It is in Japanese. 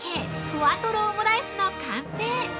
ふわとろオムライスの完成！